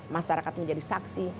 masyarakat menjadi saksi